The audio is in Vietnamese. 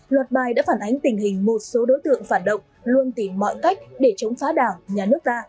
luật bài đã phản ánh tình hình một số đối tượng phản động luôn tìm mọi cách để chống phá đảng nhà nước ta